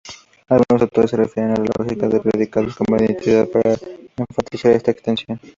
Algunos autores se refieren a "lógica de predicados con identidad" para enfatizar esta extensión.